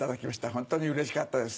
ホントにうれしかったです。